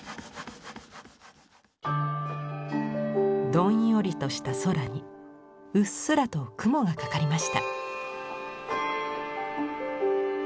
どんよりとした空にうっすらと雲がかかりました。